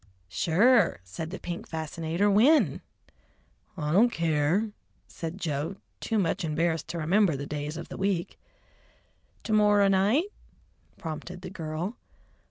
"Sure," said the pink fascinator. "When?" "I don't care," said Joe, too much embarrassed to remember the days of the week. "To morrer night?" prompted the girl.